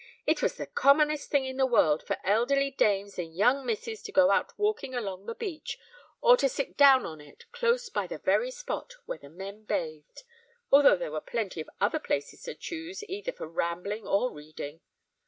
"It was the commonest thing in the world for elderly dames and young misses to go out walking along the beach, or to sit down on it, close by the very spot where the men bathed, although there were plenty of other places to choose either for rambling or reading.